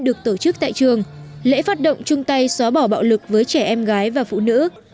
được tổ chức tại trường lễ phát động chung tay xóa bỏ bạo lực với trẻ em gái và phụ nữ